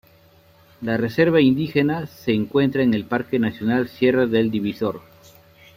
La reserva indígena se encuentra en el Parque nacional Sierra del Divisor.